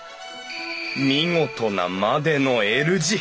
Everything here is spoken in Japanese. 見事なまでのＬ字！